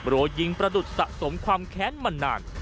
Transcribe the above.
รัวยิงประดุษสะสมความแค้นมานาน